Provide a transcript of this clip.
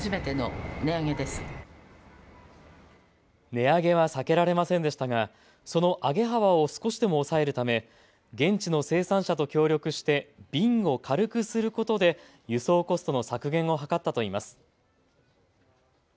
値上げは避けられませんでしたがその上げ幅を少しでも抑えるため現地の生産者と協力して瓶を軽くすることで輸送コストの削減を図ったといいます。